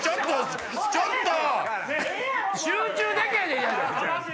ちょっと！